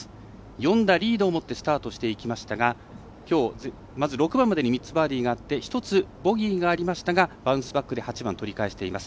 ４打リードをもってスタートしていきましたがきょう、まず６番までに３つバーディーがあって１つボギーがありましたがバウンスバックで８番取り返しています。